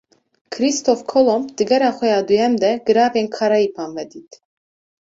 Kristof Kolomb, di gera xwe ya duyem de, Giravên Karayîpan vedît